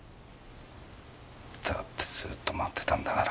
だってずっと待ってたんだから。